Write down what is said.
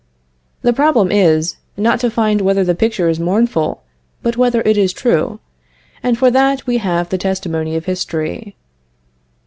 The problem is, not to find whether the picture is mournful, but whether it is true. And for that we have the testimony of history.